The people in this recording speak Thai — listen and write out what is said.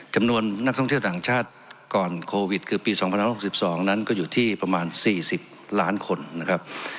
จำนวนนักท่องเที่ยวต่างชาติก่อนโควิดคือปี๒๐๖๒นั้นก็อยู่ที่ประมาณ๔๐ล้านคนนะครับ